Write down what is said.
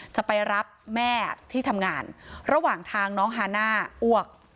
จะไปรับแม่ที่ทำงานระหว่างทางน้องฮาน่าอ้วก